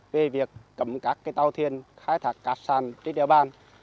về việc cấm các cái tàu thiền khai thác cát sạn trên đeo bàn